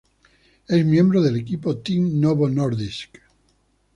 Es miembro del equipo Team Novo Nordisk.